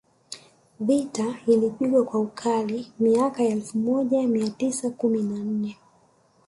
Vita ilipigwa kwa ukali miaka ya elfu moja mia tisa kumi na nne